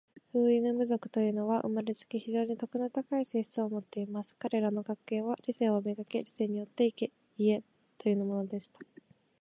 フウイヌム族というのは、生れつき、非常に徳の高い性質を持っています。彼等の格言は、『理性を磨け。理性によって行え。』というのでした。